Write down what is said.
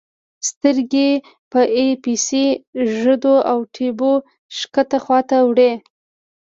سترګې په آی پیس ږدو او ټیوب ښکته خواته وړو.